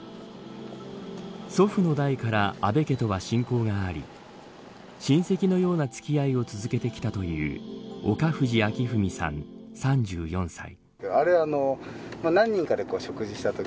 祖父の代から安倍家とは親交があり親戚のような付き合いを続けてきたという岡藤明史さん、３４歳。